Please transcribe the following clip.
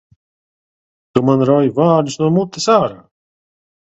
Tu man rauj vārdu no mutes ārā!